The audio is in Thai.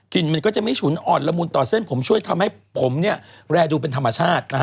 กลิ่นมันก็จะไม่ฉุนอ่อนละมุนต่อเส้นช่วยทำให้ผมแรดูเป็นธรรมชาติ